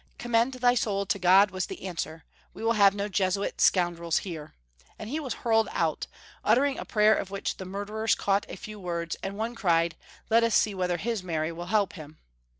'' Commend thy soul to God," was the answer ;" we will have no Jesuit scoundrels here ;" and he was hurled out, uttering a prayer of wliich the murderers caught a few words, and one cried, " Let us see whether his Mary will help him."